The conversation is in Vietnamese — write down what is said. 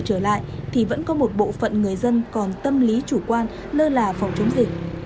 trở lại thì vẫn có một bộ phận người dân còn tâm lý chủ quan lơ là phòng chống dịch